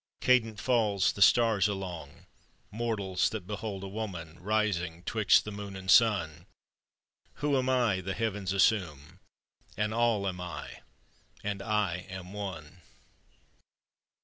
Cadent fails the stars along: "_Mortals, that behold a woman Rising 'twixt the Moon and Sun; Who am I the heavens assume? an All am I, and I am one.